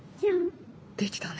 できたね。